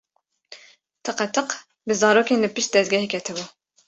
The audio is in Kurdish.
Tiqetiq bi zarokên li pişt dezgeh ketibû.